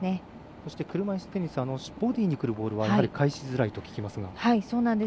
そして車いすテニスはボディーにくるボールは返しづらいと聞きますが。